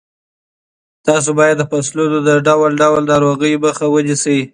تاسو باید د فصلونو د ډول ډول ناروغیو مخه ونیسئ.